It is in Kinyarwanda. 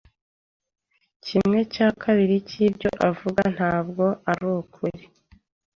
Kimwe cya kabiri cyibyo avuga ntabwo arukuri.